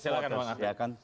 silahkan pak ngah